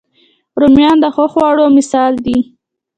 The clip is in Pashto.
رومیان د ښه خواړه مثال دي